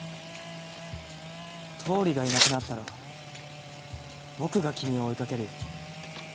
倒理がいなくなったら僕が君を追いかけるよ。